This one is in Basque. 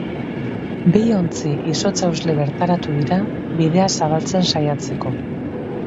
Bi ontzi izotz-hausle bertaratu dira bidea zabaltzen saiatzeko.